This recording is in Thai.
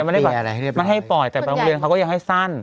ไม่ให้ปล่อยแต่โรงเรียนเขาก็ยังให้สั้น